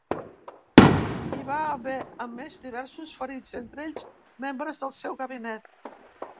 Hi va haver a més diversos ferits, entre ells membres del seu gabinet.